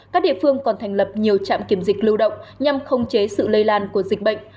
các địa phương còn thành lập nhiều trạm kiểm dịch lưu động nhằm khống chế sự lây lan của dịch bệnh